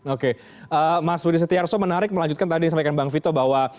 oke mas budi setiarso menarik melanjutkan tadi yang disampaikan bang vito bahwa